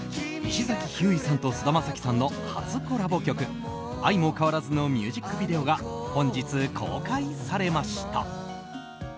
石崎ひゅーいさんと菅田将暉さんの初コラボ曲「あいもかわらず」のミュージックビデオが本日公開されました。